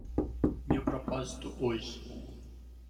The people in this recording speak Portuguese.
Meu propósito hoje